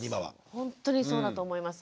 ほんとにそうだと思います。